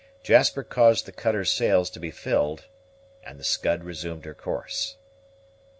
Jasper caused the cutter's sails to be filled, and the Scud resumed her course.